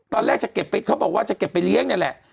ตอนแรกจะเก็บไปเขาบอกว่าจะเก็บไปเลี้ยงนี่แหละ